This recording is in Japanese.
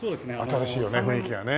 新しいよね雰囲気がね。